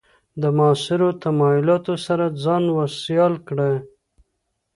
له معاصرو تمایلاتو سره ځان سیال کړي.